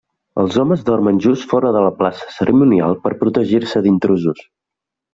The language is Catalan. Els homes dormen just fora de la plaça cerimonial per protegir-se d'intrusos.